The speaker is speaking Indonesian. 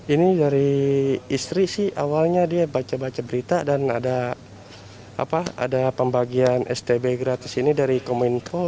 ini dari istri sih awalnya dia baca baca berita dan ada pembagian stb gratis ini dari kominfo